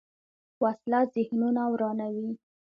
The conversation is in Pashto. وسله ذهنونه ورانوي